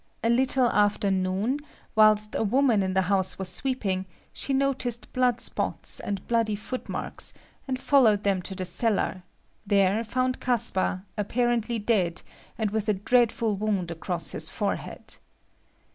A little after noon, whilst a woman in the house was sweeping, she noticed blood spots and bloody footmarks, and following them to the cellar, there found Caspar, apparently dead, and with a dreadful wound across his forehead.